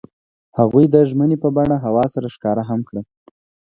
هغوی د ژمنې په بڼه هوا سره ښکاره هم کړه.